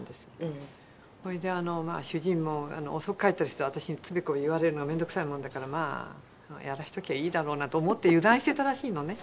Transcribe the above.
ええ。ほいでまあ主人も遅く帰ったりすると私につべこべ言われるのが面倒くさいもんだから「まあやらしときゃいいだろう」なんて思って油断していたらしいのね。